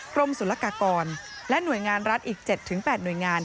กรมศุลกากรและหน่วยงานรัฐอีก๗๘หน่วยงาน